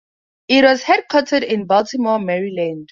It was headquartered in Baltimore, Maryland.